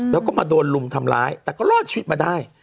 แล้วก็มาโดนลุมทำร้ายแต่ก็รอดชีวิตมาได้